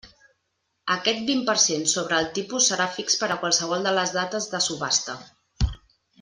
Aquest vint per cent sobre el tipus serà fix per a qualsevol de les dates de subhasta.